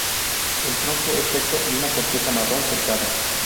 El tronco es recto y con corteza marrón surcada.